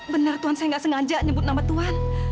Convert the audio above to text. benar tuhan saya nggak sengaja nyebut nama tuhan